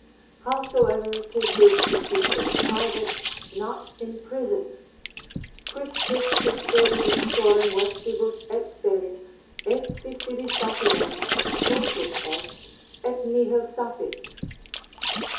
Howsoever 'tis good to keep them private, not in prison; Quisquis custodit uxorem vectibus et seris, Etsi sibi sapiens, stultus est, et nihil sapit.